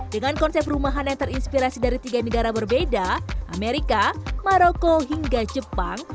dengan konsep rumahan yang terinspirasi dari tiga negara berbeda amerika maroko hingga jepang